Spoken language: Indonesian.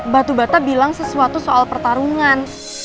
batu bata bilang sesuatu soal pertarungan